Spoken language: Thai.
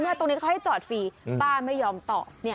ตรงนี้เขาให้จอดฟรีป้าไม่ยอมตอบ